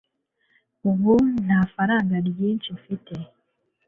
ubu nta faranga ryinshi mfite